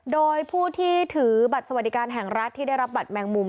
โดยผู้ที่ถือบัตรสวัสดิการแห่งรัฐที่ได้รับบัตรแมงมุม